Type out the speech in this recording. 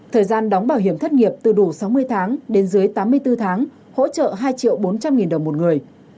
thời gian đóng bảo hiểm thất nghiệp từ đủ sáu mươi tháng đến dưới tám mươi bốn tháng hỗ trợ hai bốn trăm linh nghìn đồng một người